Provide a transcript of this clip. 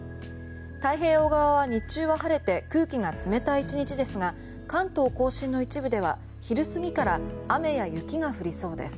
太平洋側は日中は晴れて空気が冷たい１日ですが関東・甲信の一部では昼過ぎから雨や雪が降りそうです。